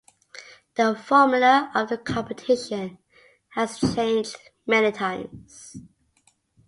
The formula of the competition has changed many times.